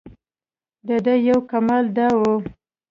دده یو کمال دا و.